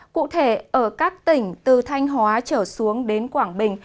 cụ thể ở các tỉnh từ thanh hóa trở xuống đến quảng bình